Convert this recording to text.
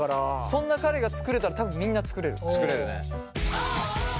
そんな彼が作れたら多分みんな作れる。